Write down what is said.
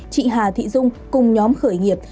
chị hà thị dung cùng nhóm khởi nghiệp